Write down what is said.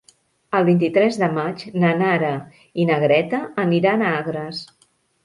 El vint-i-tres de maig na Nara i na Greta aniran a Agres.